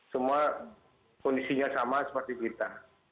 semua kondisinya sama seperti kita